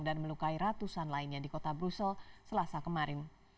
dan melukai ratusan lainnya di kota brussel selasa kemarin